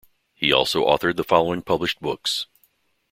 He also authored the following published books.